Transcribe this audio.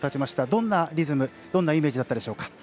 どんなリズム、どんなイメージだったでしょうか？